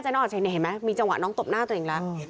เห็นไหมมีจังหวะน้องตบหน้าตัวเองแล้ว